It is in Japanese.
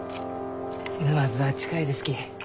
沼津は近いですき。